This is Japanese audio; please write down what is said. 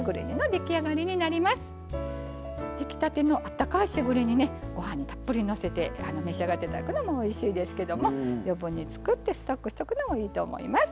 出来たてのあったかいしぐれ煮ねご飯にたっぷりのせて召し上がって頂くのもおいしいですけども余分に作ってストックしとくのもいいと思います。